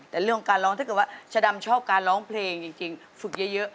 ถ้าเกิดว่าชาดำชอบการร้องเพลงจริงฝึกเยอะ